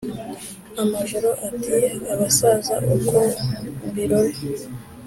Majoro ati: "Abasaza uko mbirora,